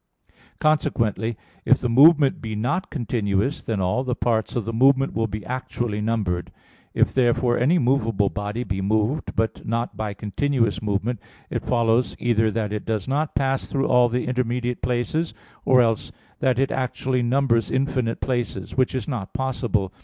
Consequently, if the movement be not continuous, then all the parts of the movement will be actually numbered. If, therefore, any movable body be moved, but not by continuous movement, it follows, either that it does not pass through all the intermediate places, or else that it actually numbers infinite places: which is not possible.